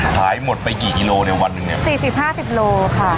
หายหมดไปกี่กิโลเนี่ยวันหนึ่งเนี่ยสี่สิบห้าสิบโลค่ะ